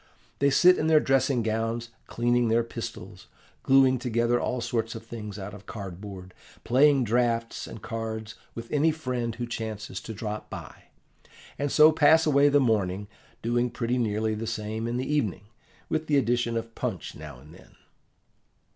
They sit in their dressing gowns, cleaning their pistols, gluing together all sorts of things out of cardboard, playing draughts and cards with any friend who chances to drop in, and so pass away the morning, doing pretty nearly the same in the evening, with the addition of punch now and then.